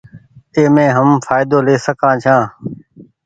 اي مين هم ڦآئدو لي سڪآن ڇآن۔